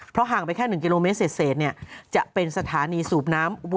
ห่างไปแค่๑กิโลเมตรเศษจะเป็นสถานีสูบน้ำ